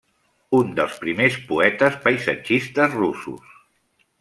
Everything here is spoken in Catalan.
Un dels primers poetes paisatgistes russos.